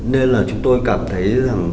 nên là chúng tôi cảm thấy